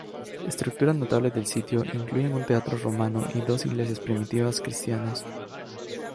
Estructuras notables del sitio incluyen un teatro romano y dos iglesias primitivas cristianas.